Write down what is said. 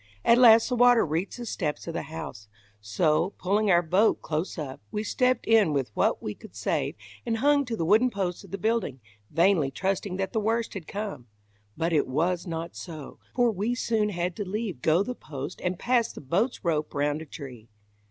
At last the water reached the steps of the house; so, pulling our boat close up, we stepped in with what we could save and hung to the wooden posts of the building, vainly trusting that the worst had come; but it was not so, for we soon had to leave go the post and pass the boat's rope round a tree.